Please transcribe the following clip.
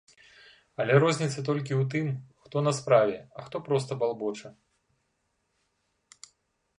Але розніца толькі ў тым, хто на справе, а хто проста балбоча.